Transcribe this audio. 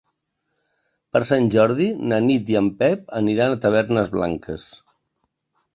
Per Sant Jordi na Nit i en Pep aniran a Tavernes Blanques.